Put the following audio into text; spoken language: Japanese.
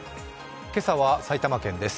今朝は埼玉県です